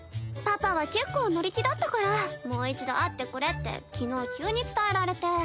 パパは結構乗り気だったからもう一度会ってくれって昨日急に伝えられて。